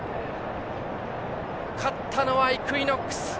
勝ったのはイクイノックス。